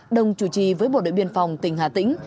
đồng chủ trì với bộ đội biên phòng tỉnh hà tĩnh